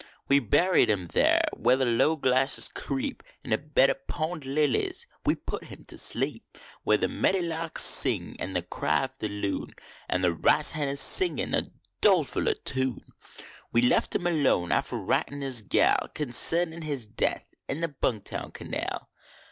We buried him there where the low grasses creep, In a bed of pond lilies we put him to sleep. Where the meddy larks sing and the cry of the loon, An the rice hen is singin a dolefuller tune. We left him alone, after writin his gal Concernin his death an the Bung Town Canal.